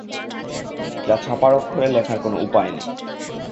যা ছাপার অক্ষরে লেখার কোনো উপায় নেই।